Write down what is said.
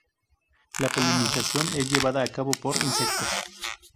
La polinización es llevada a cabo por insectos.